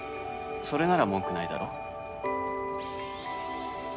それなら文句ないだろ？